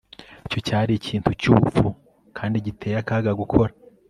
Icyo cyari ikintu cyubupfu kandi giteye akaga gukora